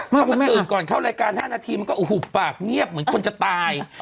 เดี๋ยวมันตื่นก่อนเข้ารายการ๕นาทีเหมาะปากเงียบเหมือนคนจะตาย